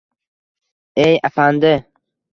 Eyyyy, apandi!